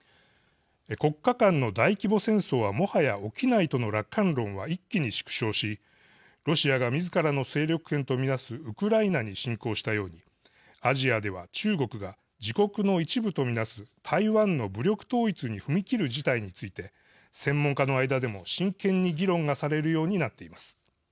国家間の大規模戦争はもはや起きないとの楽観論は一気に縮小し、ロシアがみずからの勢力圏と見なすウクライナに侵攻したようにアジアでは、中国が自国の一部と見なす台湾の武力統一に踏み切る事態について専門家の間でも、真剣に議論がされるようになっています。